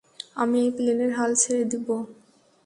আমি এই প্লেনের হাল ছেড়ে দিবো!